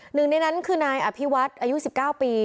หนึ่งในนั้นคือนายอภิวัฒน์อายุ๑๙ปี